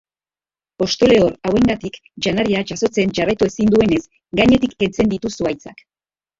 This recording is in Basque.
Hosto lehor hauengatik janaria jasotzen jarraitu ezin duenez, gainetik kentzen ditu zuhaitzak.